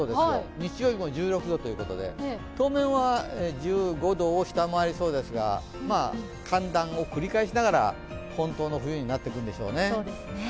日曜日も１６度ということで、当面は１５度を下回りそうですが、寒暖を繰り返しながら本当の冬になっていくんでしょうね。